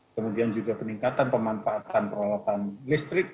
kemudian juga peningkatan pemanfaatan peralatan listrik